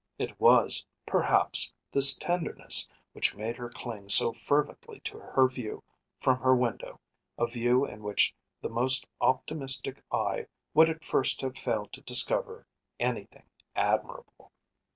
It was, perhaps, this tenderness which made her cling so fervently to her view from her window, a view in which the most optimistic eye would at first have failed to discover anything admirable.